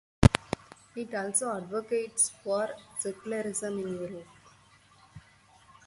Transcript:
It also advocates for secularism in Europe.